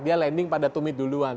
dia landing pada tumit duluan